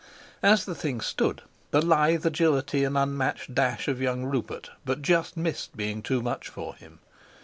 As the thing stood, the lithe agility and unmatched dash of young Rupert but just missed being too much for him.